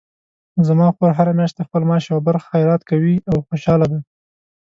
زما خور هره میاشت د خپل معاش یوه برخه خیرات کوي او خوشحاله ده